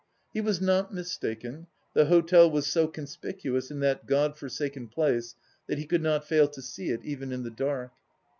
He was not mistaken: the hotel was so conspicuous in that God forsaken place that he could not fail to see it even in the dark.